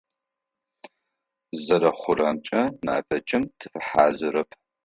Зэрэхъурэмкӏэ, мэфэкӏым тыфэхьазырэп.